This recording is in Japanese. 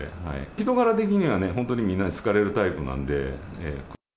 人柄的にはね、本当にみんなに好かれるタイプなんで。